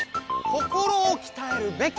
心をきたえるべき！